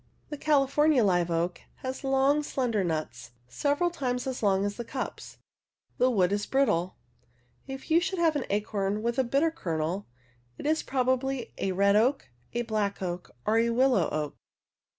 The California live oak has long, slendernuts, sev eral times as long as the cups. The wood is brittle. If you should have an acorn with a bitter kernel, it is probably a red oak, a black oak or a willow oak.